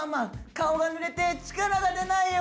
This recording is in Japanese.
「顔が濡れて力が出ないよ」。